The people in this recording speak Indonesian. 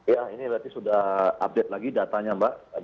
ya ini berarti sudah update lagi datanya mbak